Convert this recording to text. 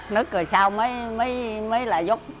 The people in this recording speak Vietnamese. nứt rồi sau mới là giót